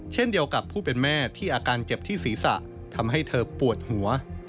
เช่นเดียวกับผู้เป็นแม่ที่อาการเจ็บที่ศีรษะทำให้เธอปวดหัว